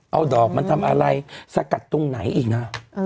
เอาดอกมาทำอะไรสกัดตรงไหนอีกนะ